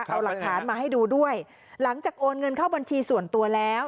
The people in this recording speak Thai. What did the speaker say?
เอาหลักฐานมาให้ดูด้วยหลังจากโอนเงินเข้าบัญชีส่วนตัวแล้ว